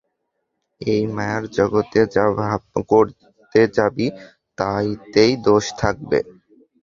এই মায়ার জগতে যা করতে যাবি, তাইতেই দোষ থাকবে।